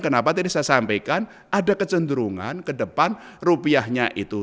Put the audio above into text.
kenapa tadi saya sampaikan ada kecenderungan ke depan rupiahnya itu